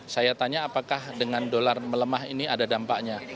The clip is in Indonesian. saya tanya apakah dengan dolar melemah ini ada dampaknya